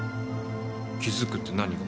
気付くって何が。